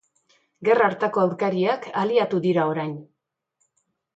Gerra hartako aurkariak, aliatu dira orain.